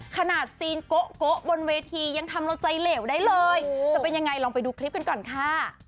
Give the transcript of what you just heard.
ซีนโกะบนเวทียังทำเราใจเหลวได้เลยจะเป็นยังไงลองไปดูคลิปกันก่อนค่ะ